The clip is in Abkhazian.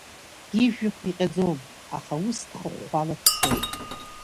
Ижәҩақәа иҟьаӡом, аха ус дхыхәхәала дцоит.